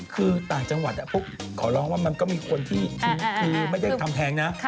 คือต่างจังหวัดขอร้องว่ามันก็มีคนที่คือไม่ได้ทำแท้งนะ